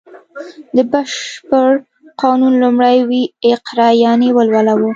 د بشپړ قانون لومړی ویی اقرا یانې ولوله و